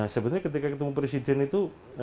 sebenarnya ketika ketemu presiden itu